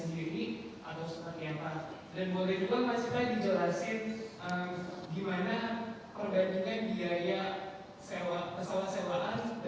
dan boleh juga mas iqbal dijelasin gimana perbandingan biaya pesawat sewaan